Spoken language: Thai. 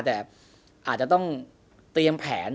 แต่อาจจะต้องเตรียมแผน